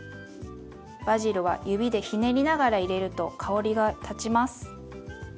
バジルは指でひねりながら入れると香りが立ちます。